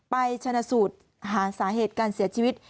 ชนะสูตรหาสาเหตุการเสียชีวิต